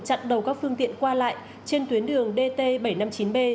chặn đầu các phương tiện qua lại trên tuyến đường dt bảy trăm năm mươi chín b